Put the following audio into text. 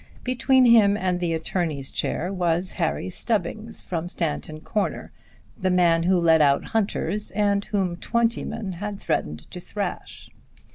Between him and the attorney's chair was Harry Stubbings, from Stanton Corner, the man who let out hunters, and whom Twentyman had threatened to thrash.